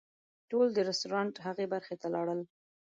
ټول د رسټورانټ هغې برخې ته لاړل.